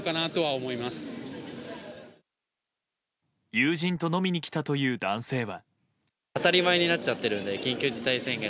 友人と飲みに来たという男性は。